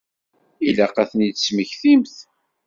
Ilaq ad ten-id-tesmektimt.